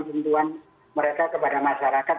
sentuhan mereka kepada masyarakat